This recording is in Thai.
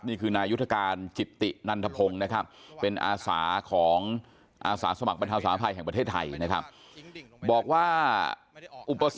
นี่คือนายุทษาการจิตตินันทพงส์นะครับ